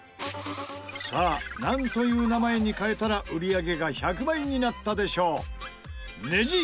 さあなんという名前に変えたら売り上げが１００倍になったでしょう？